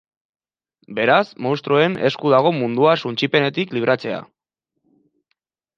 Beraz, monstruoen esku dago mundua suntsipenetik libratzea.